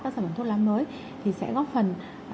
các sản phẩm thuốc lá mới thì sẽ góp phần